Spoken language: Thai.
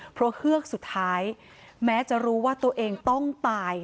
เพราะเฮือกสุดท้ายแม้จะรู้ว่าตัวเองต้องตาย